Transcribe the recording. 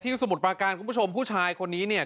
ที่สมุดปราการผู้ชายคนนี้เนี่ย